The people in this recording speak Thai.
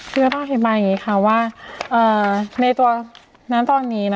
คือป้าอธิบายอย่างนี้ค่ะว่าในตัวณตอนนี้